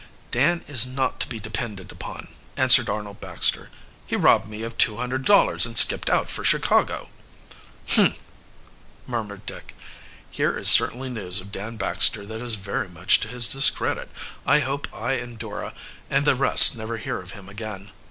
"Dan is not to be depended upon," answered Arnold Baxter. "He robbed me of two hundred dollars and skipped out for Chicago." "Humph!" murmured Dick. "Here is certainly news of Dan Baxter that is very much to his discredit. I hope I and Dora and the rest never hear of him again."